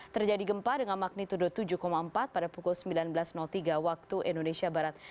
terjadi gempa dengan magnitudo tujuh empat pada pukul sembilan belas tiga waktu indonesia barat